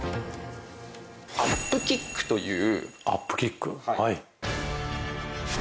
アップキックという。